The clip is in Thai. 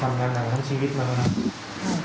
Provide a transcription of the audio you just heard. ทำงานใหนทั้งชีวิตมาแล้วนะ